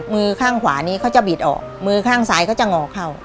มือข้างขวานี้เขาจะบิดออกมือข้างซ้ายเขาจะงอเข้า